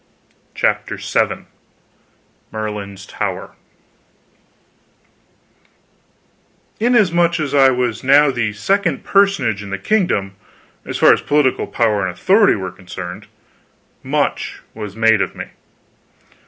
CHAPTER VII MERLIN'S TOWER Inasmuch as I was now the second personage in the Kingdom, as far as political power and authority were concerned, much was made of me.